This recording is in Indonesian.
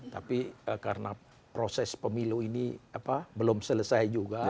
tapi karena proses pemilu ini belum selesai juga